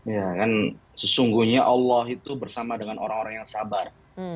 ya kan sesungguhnya allah itu bersama dengan orang orang yang sabar